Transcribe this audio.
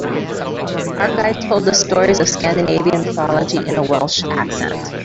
Our guide told us stories of Scandinavian mythology in a Welsh accent.